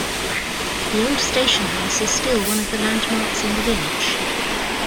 The old station house is still one of the landmarks in the village.